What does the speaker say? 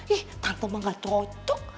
ih tante mah gak cocok